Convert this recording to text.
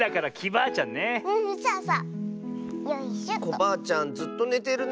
コバアちゃんずっとねてるね。